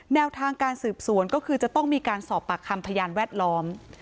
แนวทางการสืบสวนก็คือจะต้องมีการสอบปากคำพยานแวดล้อม